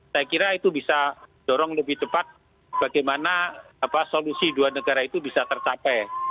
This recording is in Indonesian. saya kira itu bisa dorong lebih cepat bagaimana solusi dua negara itu bisa tercapai